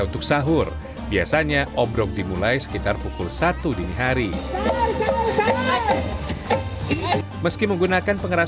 untuk sahur biasanya ombrok dimulai sekitar pukul satu dini hari meski menggunakan pengeras